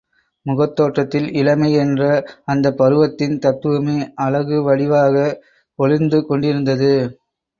முகத் தோற்றத்தில் இளமை என்ற அந்தப் பருவத்தின் தத்துவமே அழகு வடிவாக ஒளிர்ந்து கொண்டிருந்தது.